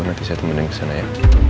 nanti saya temenin dia